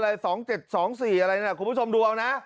๒๗๒๔อะไรนะคุณผู้ชมดูเอานะ